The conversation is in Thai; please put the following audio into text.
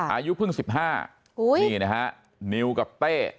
อายุเพิ่ง๑๕นี่นะฮะนิวกับเต้